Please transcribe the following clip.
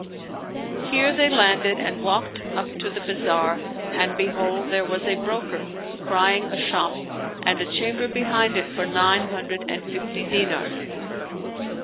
Here they landed and walked up to the bazaar and behold, there was a broker crying a shop and a chamber behind it for nine hundred and fifty dinars.